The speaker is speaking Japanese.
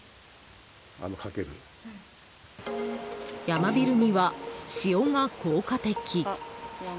ヤマビルには塩が効果的。